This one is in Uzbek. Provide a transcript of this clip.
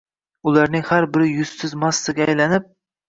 ularning har biri yuzsiz massaga aylanib